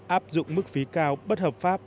áp dụng mức phí cao bất hợp pháp